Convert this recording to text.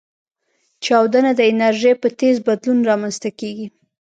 چاودنه د انرژۍ په تیز بدلون رامنځته کېږي.